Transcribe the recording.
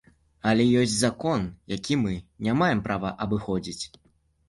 Але ёсць закон, які мы не маем права абыходзіць.